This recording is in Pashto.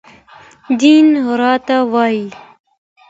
دين راته وايي